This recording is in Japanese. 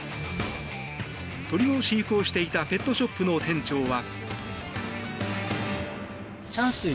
鳥の飼育をしていたペットショップの店長は。